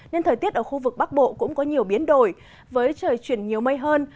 nên thời tiết ở khu vực bắc bộ cũng có nhiều biến đổi với trời chuyển nhiều mây hơn